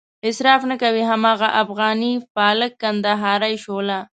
اصراف نه کوي هماغه افغاني پالک، کندهارۍ شوله.